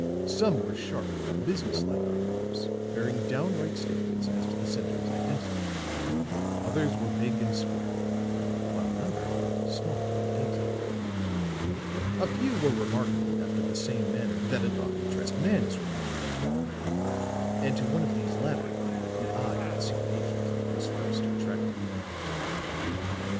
Some were sharp, businesslike envelopes, bearing downright statements as to the senders' identity; others were big and square, while a number were small and dainty. A few were remarkable after the same manner that an oddly dressed man is remarkable; and to one of these latter the eye of the secret agent was first attracted.